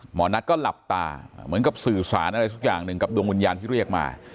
หมอนัทก็หลับตาเหมือนกับสื่อสารอะไรสักอย่างหนึ่งกับดวงวิญญาณที่เรียกมา